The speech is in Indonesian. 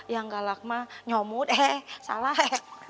yang galak mah nyomot eh salah